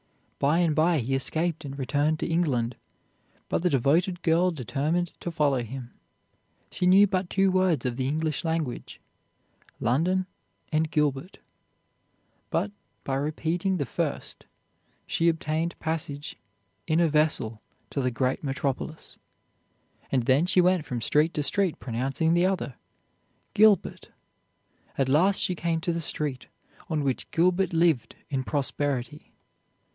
By and by he escaped and returned to England, but the devoted girl determined to follow him. She knew but two words of the English language London and Gilbert; but by repeating the first she obtained passage in a vessel to the great metropolis, and then she went from street to street pronouncing the other "Gilbert." At last she came to the street on which Gilbert lived in prosperity.